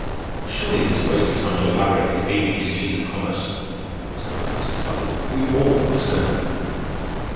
"Surely it is a waste of time to elaborate these A B C's of commerce," Mr. Calvin said tartly. "We all understand them."